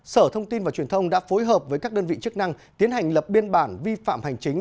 sở thông tin và truyền thông đã phối hợp với các đơn vị chức năng tiến hành lập biên bản vi phạm hành chính